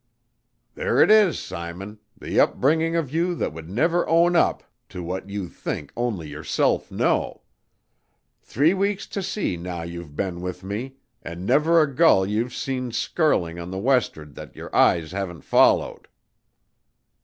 "There it is, Simon the upbringing of you that would never own up to what you think only yourself know. Three weeks to sea now you've been with me, and never a gull you've seen skirling to the west'ard that your eyes haven't followed.